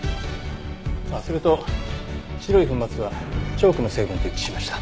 ああそれと白い粉末はチョークの成分と一致しました。